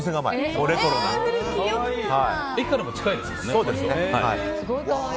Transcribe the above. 駅からも近いですもんね。